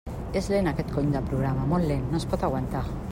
És lent aquest cony de programa, molt lent, no es pot aguantar!